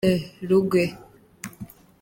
Rugwe